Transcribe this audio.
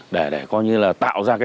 để coi như là tạo ra cái kết quả